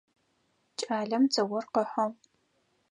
Кӏалэм дзыор къыхьыгъ.